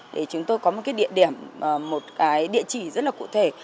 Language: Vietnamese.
để chúng tôi có một cái địa điểm một cái địa chỉ rất là cụ thể